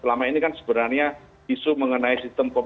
selama ini kan sebenarnya isu mengenai sistem pemerintahan